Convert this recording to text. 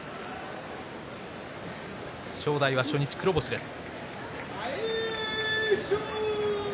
正代は初日黒星です。